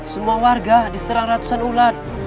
semua warga diserang ratusan ulat